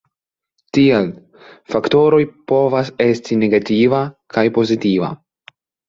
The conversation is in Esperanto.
Tial, faktoroj povas esti negativa kaj pozitiva.